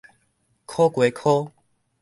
苦瓜箍